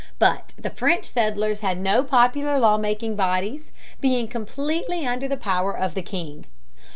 But the French settlers had no popular lawmaking bodies, being completely under the power of the king.